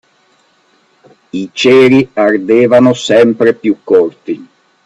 I ceri ardevano sempre più corti.